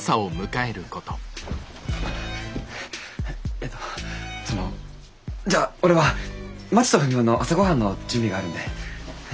えっとそのじゃ俺はまちとふみおの朝ごはんの準備があるんで。